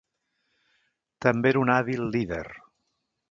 També era una hàbil líder.